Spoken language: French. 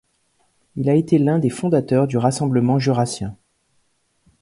Il a été l’un des fondateurs du Rassemblement jurassien.